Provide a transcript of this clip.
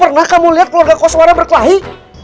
pernah kamu lihat keluarga koswara berkelahi